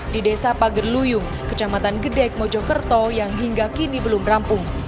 di desa pagerluyung kecamatan gedek mojokerto yang hingga kini belum rampung